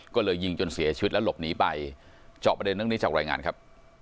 ก็เลยยิงจนเสียชีวิตและหลบหนีไปเจาะประเด็นเรื่องนี้จากรายงานครับ